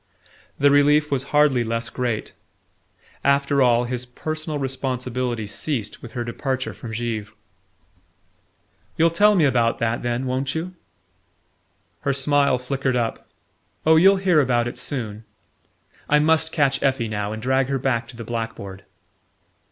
The relief was hardly less great. After all, his personal responsibility ceased with her departure from Givre. "You'll tell me about that, then won't you?" Her smile flickered up. "Oh, you'll hear about it soon...I must catch Effie now and drag her back to the blackboard."